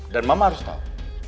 dan mama harus tahu